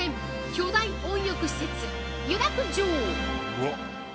巨大温浴施設湯楽城！